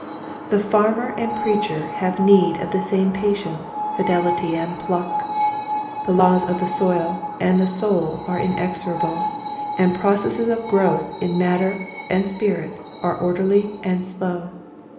The farmer and preacher have need of the same pa tience, fidelity and pluck. The laws of the soil and the soul are inexorable and processes of growth in matter and spirit are orderly and slow.